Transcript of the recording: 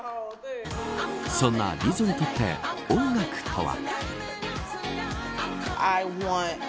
そんなＬＩＺＺＯにとって音楽とは。